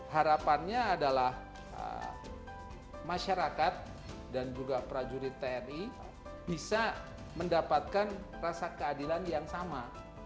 harapannya adalah masyarakat dan juga prajurit tni bisa mendapatkan rasa keadilan yang sama